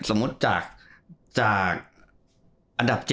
สมมุติจากอันดับ๗